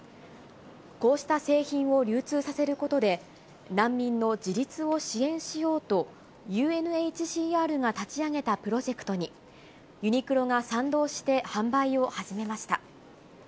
こうした製品を流通させることで、難民の自立を支援しようと、ＵＮＨＣＲが立ち上げたプロジェクトに、ユニクロが賛同して、販売を始めました。